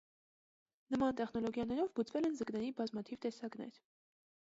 Նման տեխնոլոգիաներով բուծվել են ձկների բազմաթիվ տեսակներ։